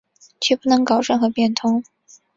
决不能搞任何变通